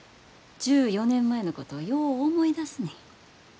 １４年前のことよう思い出すねん。